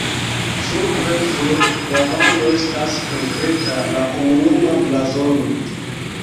Supre sur la vando estas pentrita la komunuma blazono.